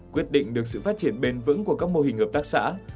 quyết định được sự phát triển bền vững của các mô hình hợp tác xã